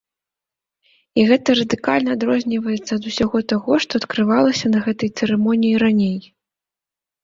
І гэта радыкальна адрозніваецца ад усяго таго, што адкрывалася на гэтай цырымоніі раней.